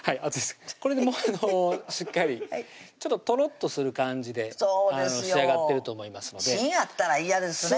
これでもうしっかりちょっととろっとする感じで仕上がってると思いますので芯あったら嫌ですね